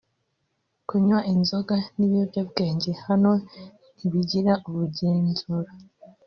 Kunywa inzoga n’ibiyobyabwenge hano ntibigira ubigenzura